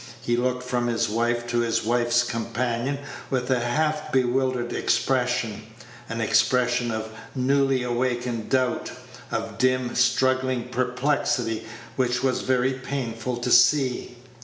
He looked from his wife to his wife's companion with a half bewildered expression an expression of newly awakened doubt, of dim, struggling perplexity, which was very painful to see.